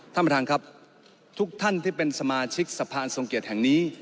ท่านประธานครับทุกท่านที่เป็นสมาชิกสะพานทรงเกียจแห่งนี้